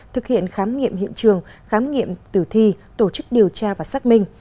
thực hiện khám nghiệm hiện trường khám nghiệm tử thi tổ chức điều tra và xác minh